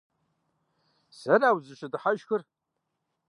Сэра узыщыдыхьэшхыр?